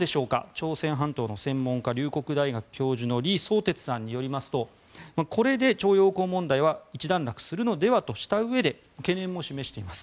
朝鮮半島の専門家龍谷大学教授の李相哲さんによりますとこれで徴用工問題はひと段落するのではとしたうえで懸念も示しています。